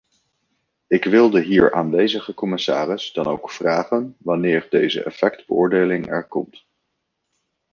Ik wil de hier aanwezige commissaris dan ook vragen wanneer deze effectbeoordeling er komt.